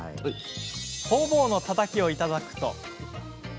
ホウボウのたたきをいただくと。